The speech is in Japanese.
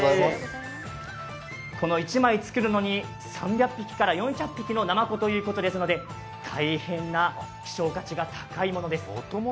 この１枚作るのに３００匹から４００匹のナマコということなので大変な希少価値が高いものです。